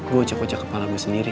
gue ocek ocek kepala gue sendiri